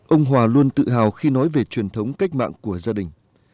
ông hòa luôn tự hào khi nói về truyền thống cách mạng của gia đình